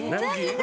何？